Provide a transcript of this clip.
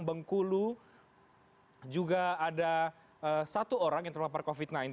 bengkulu juga ada satu orang yang terpapar covid sembilan belas